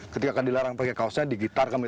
ketika dilarang pakai kaosnya di gitar kami